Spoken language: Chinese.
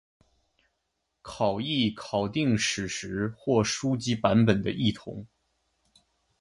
考异考订史实或书籍版本的异同。